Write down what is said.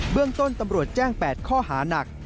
เรื่องต้นตำรวจแจ้ง๘ข้อหานัก